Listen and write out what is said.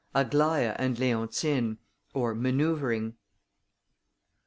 AGLAÏA AND LEONTINE; OR MANOEUVRING.